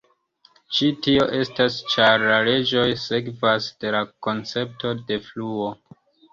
Ĉi tio estas ĉar la leĝoj sekvas de la koncepto de fluo.